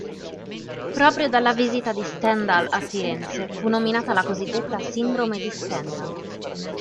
Proprio dalla visita di Stendhal a Firenze fu nominata la cosiddetta Sindrome di Stendhal.